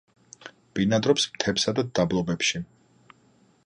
ბინადრობს მთებსა და დაბლობებში.